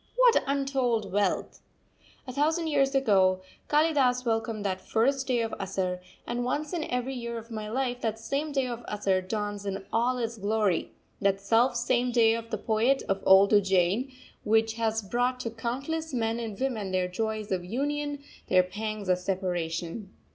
What untold wealth! A thousand years ago Kalidas welcomed that first day of Asarh; and once in every year of my life that same day of Asarh dawns in all its glory that self same day of the poet of old Ujjain, which has brought to countless men and women their joys of union, their pangs of separation.